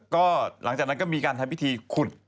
ก็หลังจากนั้นก็มีการทำพิธีขุด